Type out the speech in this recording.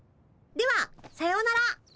ではさようなら。